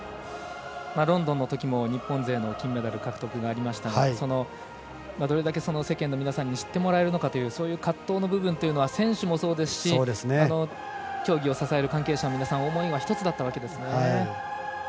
ロンドンのときも日本勢の金メダルの獲得がありましたがそのどれだけ世間の皆様に知っていただけるかというのは選手もそうですし競技を支える関係者の皆さん思いは１つだったわけですね。